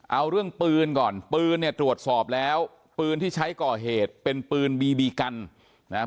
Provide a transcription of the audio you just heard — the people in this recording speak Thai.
เอาเรื่องปืนก่อนปืนเนี่ยตรวจสอบแล้วปืนที่ใช้ก่อเหตุเป็นปืนบีบีกันนะฮะ